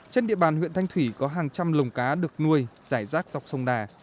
trên địa bàn huyện thanh thủy có hàng trăm lồng cá được nuôi rải rác dọc sông đà